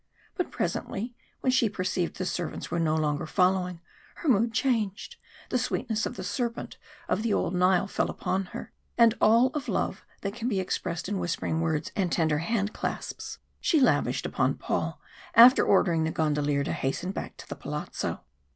But presently, when she perceived the servants were no longer following, her mood changed, the sweetness of the serpent of old Nile fell upon her, and all of love that can be expressed in whispered words and tender hand clasps, she lavished upon Paul, after ordering the gondolier to hasten back to the palazzo.